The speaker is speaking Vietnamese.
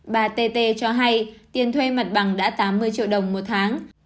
bà tê tê cho hay tiền thuê mặt bằng đã tám mươi triệu đồng một tháng